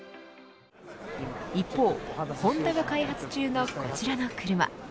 一方、ホンダが開発中のこちらの車。